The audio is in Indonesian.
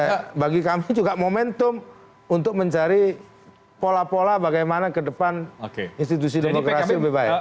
ya bagi kami juga momentum untuk mencari pola pola bagaimana ke depan institusi demokrasi lebih baik